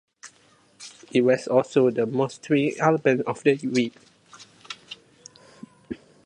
It was also the most streamed album of the week.